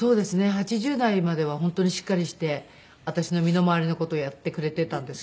８０代までは本当にしっかりして私の身の回りの事をやってくれていたんですよ。